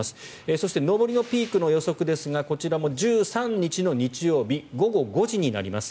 そして上りのピークの予想ですがこちらも１３日の日曜日午後５時になります。